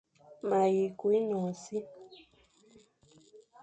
Ma yi kù énon e si.